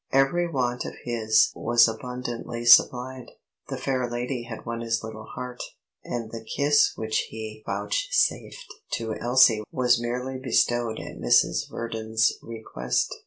Every want of his was abundantly supplied; the fair lady had won his little heart; and the kiss which he vouchsafed to Elsie was merely bestowed at Mrs. Verdon's request.